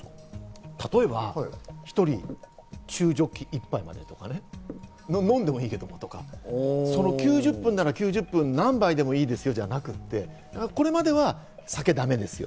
例えば、１人、中ジョッキ１杯までとか、飲んでもいいけどもとか、９０分なら９０分、何杯でもいいですよじゃなくて、これまでは酒だめですよ。